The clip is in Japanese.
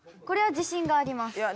これは自信があります。